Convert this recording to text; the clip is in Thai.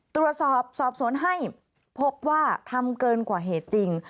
ตรวจสอบสอบสวนให้พบว่าทำเกินกว่าเหตุจริง